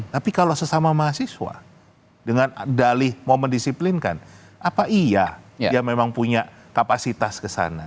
tapi kalau sesama mahasiswa dengan dalih mau mendisiplinkan apa iya yang memang punya kapasitas kesana